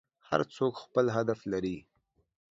هر څوک خپل هدف لري.